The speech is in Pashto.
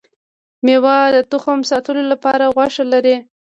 ميوه د تخم ساتلو لپاره غوښه لري